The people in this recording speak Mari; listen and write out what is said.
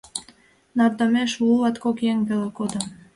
Нардомеш лу-латкок еҥ веле кодо.